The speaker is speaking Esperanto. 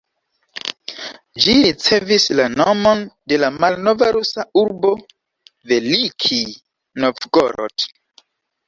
Ĝi ricevis la nomon de la malnova rusa urbo Velikij Novgorod.